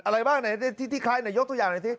อะไรบ้างไหนที่คล้ายไหนยกตัวอย่างหน่อยสิ